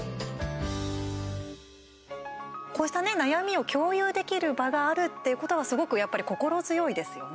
こうしたね悩みを共有できる場があるっていうことはすごく、やっぱり心強いですよね。